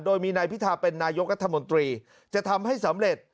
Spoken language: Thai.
โดยมีนายพิธาเป็นนายกรัฐมนตรีจะทำให้สำเร็จ